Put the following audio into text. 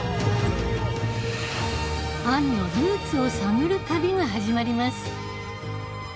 アンのルーツを探る旅が始まります